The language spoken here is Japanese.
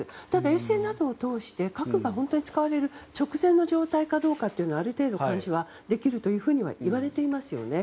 冷戦などを通して核が本当に使われる直前のような状態かどうかある程度、探知はできるといわれていますよね。